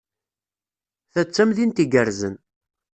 Ta d tamdint igerrzen.